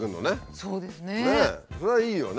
それはいいよね。